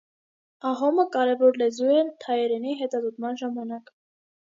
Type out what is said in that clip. Ահոմը կարևոր լեզու է թայերենի հետազոտման ժամանակ։